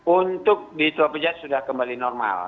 untuk di tua pejat sudah kembali normal